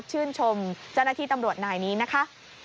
ชื่นชมเจ้าหน้าที่ตำรวจนายนี้นะคะ